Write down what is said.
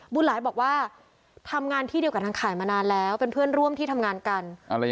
หลายบอกว่าทำงานที่เดียวกับทางข่ายมานานแล้วเป็นเพื่อนร่วมที่ทำงานกัน